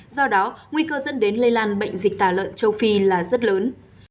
do đó nguy cơ dẫn đến lây lan bệnh dịch tả lợn châu phi là rất lớn